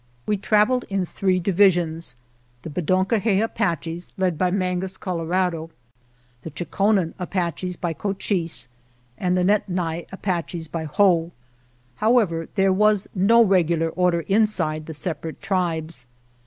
We traveled in three divisions : the Bedon kohe Apaches led by Mangus Colorado, the Chokonen Apaches by Cochise, and the Nedni Apaches by Whoa; however, there was no regular order inside the separate tribes.